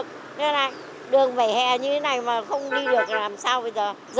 nên là đường vỉa hè như thế này mà không đi được là làm sao bây giờ